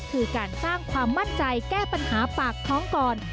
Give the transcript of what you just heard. คือการสร้างความมั่นใจแก้ปัญหาปากท้องก่อน